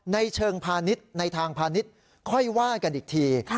เชิงพาณิชย์ในทางพาณิชย์ค่อยว่ากันอีกที